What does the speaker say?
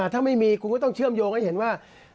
ถ้าไม่มีคุณก็ต้องเชื่อมโยงให้เห็นว่า